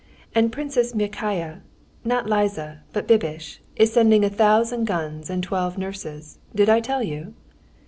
"And Princess Myakaya—not Liza, but Bibish—is sending a thousand guns and twelve nurses. Did I tell you?"